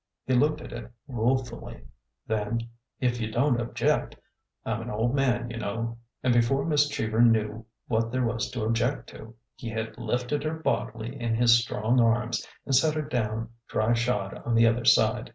He looked at it ruefully. Then—" If you don't object— I 'm an old man, you know," and before Miss Cheever knew what there was to object to, he had lifted her bodily in his strong arms and set her down dry shod on the other side.